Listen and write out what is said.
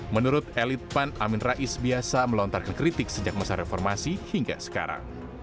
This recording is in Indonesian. menurut elit pan amin rais biasa melontarkan kritik sejak masa reformasi hingga sekarang